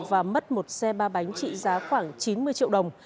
và mất một xe ba bánh trị giá khoảng chín mươi triệu đồng